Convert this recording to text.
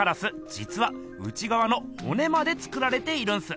じつは内がわのほねまで作られているんす。